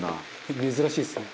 「珍しいですね」